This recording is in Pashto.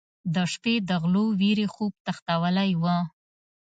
د شپې د غلو وېرې خوب تښتولی و.